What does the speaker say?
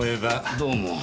どうも。